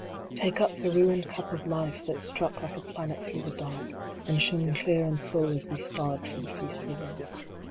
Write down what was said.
Take up the ruined cup of Life that struck like a planet through the dark, and shone clear and full as we starved for the feast within.